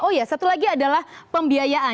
oh ya satu lagi adalah pembiayaan